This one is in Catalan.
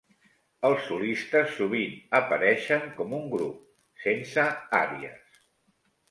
Els solistes sovint apareixen com un grup, sense àries.